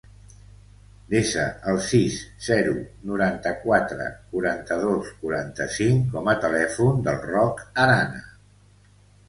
Desa el sis, zero, noranta-quatre, quaranta-dos, quaranta-cinc com a telèfon del Roc Arana.